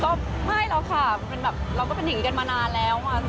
ก็ไม่แล้วค่ะเราก็เป็นอย่างนี้กันมานานแล้ว